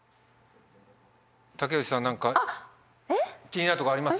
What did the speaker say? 竹内さん何か気になるところあります？